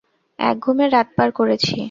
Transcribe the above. এক ঘুমে রাত পার করেছি।